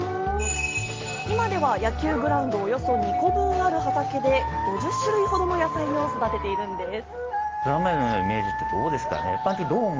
今では野球グラウンドおよそ２個分ある畑で５０種類ほどの野菜を育てているんです。